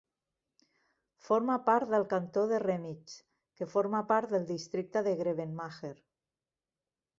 Forma part del cantó de Remich, que forma part del districte de Grevenmacher.